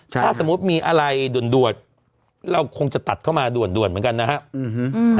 ใช่ครับถ้าสมมุติมีอะไรด่วนด่วนเราคงจะตัดเข้ามาด่วนด่วนเหมือนกันนะฮะอืมฮือ